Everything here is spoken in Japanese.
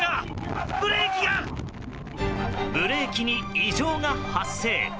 ブレーキに異常が発生。